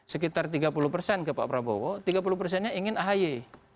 sekitar tiga puluh persen ke pak prabowo tiga puluh persennya ingin ahy